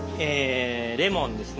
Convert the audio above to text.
レモンですね。